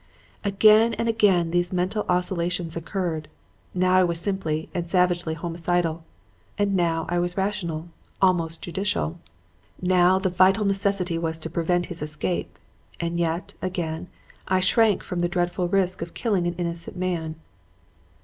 "Again and again these mental oscillations occurred. Now I was simply and savagely homicidal, and now I was rational almost judicial. Now the vital necessity was to prevent his escape; and yet, again, I shrank from the dreadful risk of killing an innocent man.